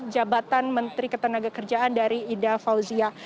jabatan menteri ketenagakerjaan dari ida fauzia